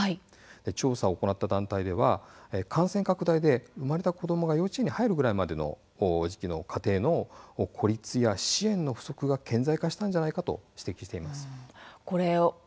調査を行った団体では感染拡大で生まれた子どもが幼稚園に入るぐらいまでの家庭の孤立が顕在化したのではないかと話しています。